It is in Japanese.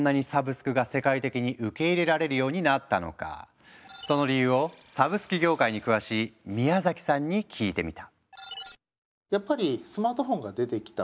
でもその理由をサブスク業界に詳しい宮崎さんに聞いてみた。